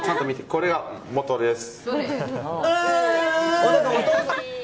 これが基です。